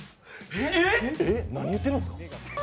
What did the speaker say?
えっ、何言ってるんですか？